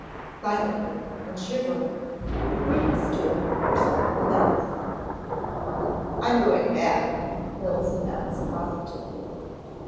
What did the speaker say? Silently, and shivering, the group stood for several minutes. "I'm going back," Mills announced positively.